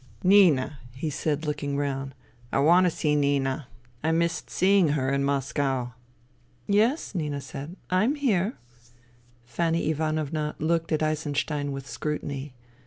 " Nina," he said, looking round. " I want to see. Nina. I missed seeing her in Moscow." *" Yes ?" Nina said, " I am here." Fanny Ivanovna looked at Eisenstein with scrutiny.